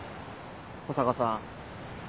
保坂さん。